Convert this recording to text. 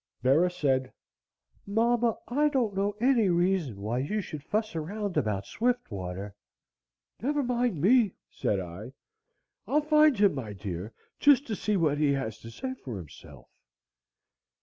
Bera said: "Mama, I don't know any reason why you should fuss around about Swiftwater." "Never mind me," said I, "I'll find him, my dear, just to see what he has to say for himself."